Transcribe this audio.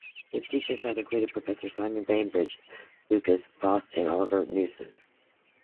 His teachers have included Professor Simon Bainbridge, Lukas Foss and Oliver Knussen.